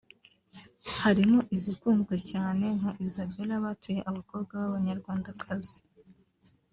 harimo izikunzwe cyane nka Isabella(batuye abakobwa ba banyarwandakazi)